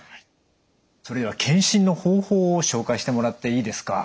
それでは検診の方法を紹介してもらっていいですか？